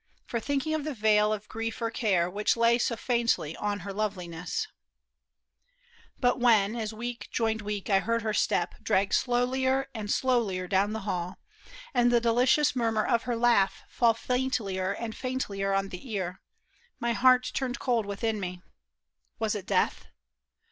For thinking of the veil of grief or care Which lay so faintly on her loveliness But when, as week joined week I heard her step, Drag slovdier and slowlier down the hall, And the delicious murmur of her laugh Fall faintlier and faintlier on the ear. My heart turned cold within me. Was it death